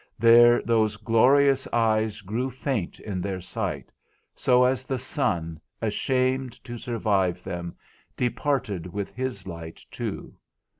There those glorious eyes grew faint in their sight, so as the sun, ashamed to survive them, departed with his light too.